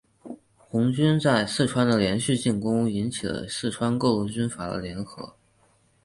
红军在四川的连续进攻引起了四川各路军阀的联合。